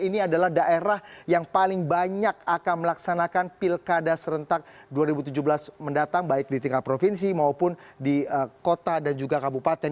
ini adalah daerah yang paling banyak akan melaksanakan pilkada serentak dua ribu tujuh belas mendatang baik di tingkat provinsi maupun di kota dan juga kabupaten